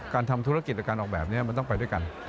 การทำธุรกิจหรือการออกแบบนี้มันต้องไปด้วยกัน